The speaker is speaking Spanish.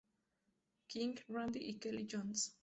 Quincy, Randy y Kelly Johns.